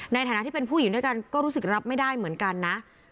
ในฐานะที่เป็นผู้หญิงด้วยกันก็รู้สึกรับไม่ได้เหมือนกันนะ